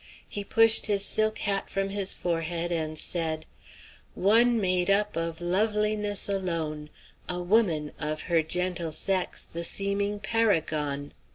He pushed his silk hat from his forehead, and said: ... "'One made up Of loveliness alone; A woman, of her gentle sex The seeming paragon.'